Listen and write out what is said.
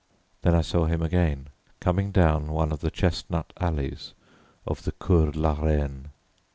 Then I saw him again coming down one of the chestnut alleys of the Cours la Reine.